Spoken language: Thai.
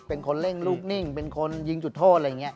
เป็นคนเล่นลูกนิ่งเป็นคนยิงจุดโทษ